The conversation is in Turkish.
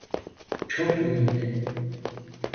Çok iyiydi.